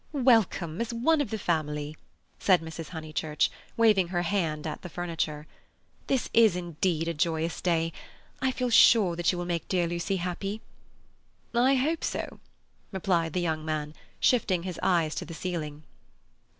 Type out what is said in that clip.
"Welcome as one of the family!" said Mrs. Honeychurch, waving her hand at the furniture. "This is indeed a joyous day! I feel sure that you will make our dear Lucy happy." "I hope so," replied the young man, shifting his eyes to the ceiling.